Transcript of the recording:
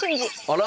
あら！